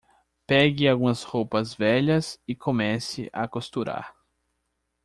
Pegue algumas roupas velhas e comece a costurar